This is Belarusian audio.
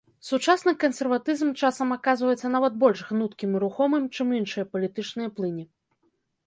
Сучасны кансерватызм часам аказваецца нават больш гнуткім і рухомым, чым іншыя палітычныя плыні.